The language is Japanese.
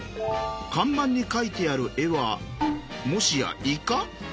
看板に描いてある絵はもしやイカ？